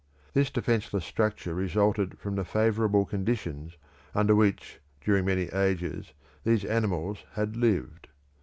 This defenceless structure resulted from the favourable conditions under which, during many ages, these animals had lived.